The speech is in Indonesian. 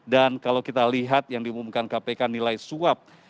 dan kalau kita lihat yang diumumkan kpk nilai suap